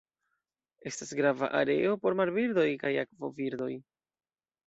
Estas grava areo por marbirdoj kaj akvobirdoj.